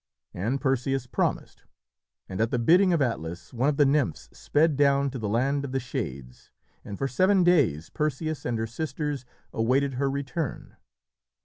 And Perseus promised, and at the bidding of Atlas one of the nymphs sped down to the land of the Shades, and for seven days Perseus and her sisters awaited her return.